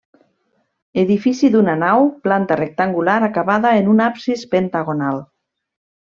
Edifici d'una nau, planta rectangular acabada en un absis pentagonal.